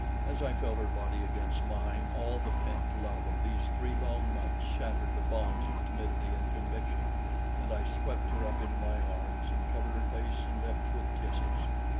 As I felt her body against mine, all the pent love of these three long months shattered the bonds of timidity and conviction, and I swept her up into my arms and covered her face and lips with kisses.